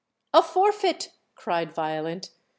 "A forfeit!" cried Violent.